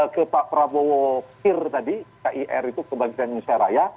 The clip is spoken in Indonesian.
ke pak prabowo kir tadi kir itu kebangkitan indonesia raya